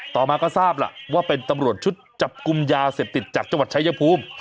ต่อมาก็ทราบล่ะว่าเป็นตำรวจชุดจับกลุ่มยาเสพติดจากจังหวัดชายภูมิ